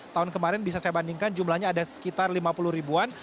tahun kemarin bisa saya bandingkan jumlahnya ada sekitar lima puluh ribuan